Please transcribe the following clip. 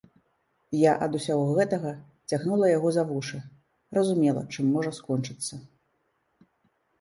Я ад усяго гэтага цягнула яго за вушы, разумела, чым можа скончыцца.